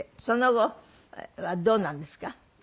その後はどうなんですか？